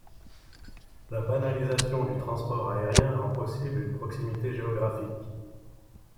La banalisation du transport aérien rend possible une proximité géographique.